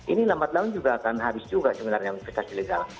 ini lambat laun juga akan habis juga sebenarnya investasi ilegal